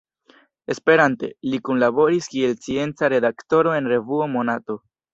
Esperante, li kunlaboris kiel scienca redaktoro en revuo Monato.